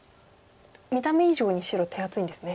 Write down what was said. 見た目以上に白手厚いんですね。